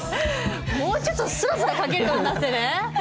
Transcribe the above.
もうちょっとすらすら書けるようになってね。